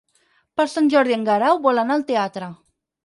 Per Sant Jordi en Guerau vol anar al teatre.